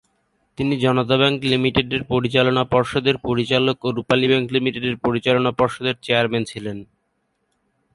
তিনি জনতা ব্যাংক লিমিটেডের পরিচালনা পর্ষদের পরিচালক ও রূপালী ব্যাংক লিমিটেড পরিচালনা পর্ষদের চেয়ারম্যান ছিলেন।